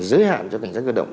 giới hạn cho cảnh sát cơ động